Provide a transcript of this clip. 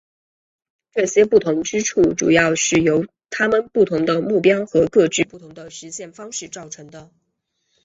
这些不同之处主要是由他们不同的目标和各自不同的实现方式造成的。